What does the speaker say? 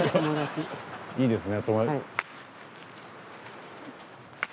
いいですね。